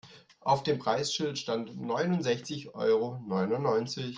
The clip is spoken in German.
Auf dem Preisschild stand neunundsechzig Euro neunundneunzig.